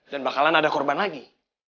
bakalan ada korban lagi